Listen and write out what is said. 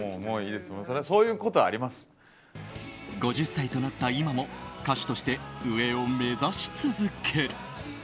５０歳となった今も歌手として上を目指し続ける。